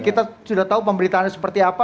kita sudah tahu pemberitaannya seperti apa